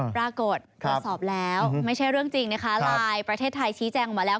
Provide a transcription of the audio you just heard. ตรวจสอบแล้วไม่ใช่เรื่องจริงนะคะไลน์ประเทศไทยชี้แจงมาแล้ว